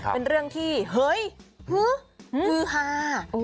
เป็นเรื่องที่เฮ้ยฮือฮือฮา